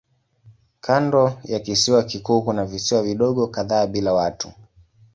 Kando ya kisiwa kikuu kuna visiwa vidogo kadhaa bila watu.